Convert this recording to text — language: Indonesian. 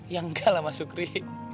ya enggak lah mas sukri